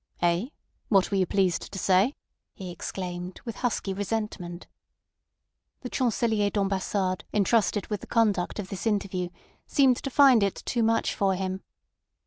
"Eh? What were you pleased to say?" he exclaimed, with husky resentment. The Chancelier d'Ambassade entrusted with the conduct of this interview seemed to find it too much for him.